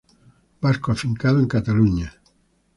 Vasco afincado en Cataluña.